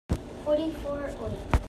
Khua sik nih kan anṭam a comh.